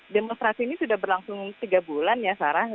demonstrasi ini sudah berlangsung tiga bulan ya sarah